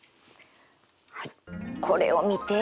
はいこれを見て。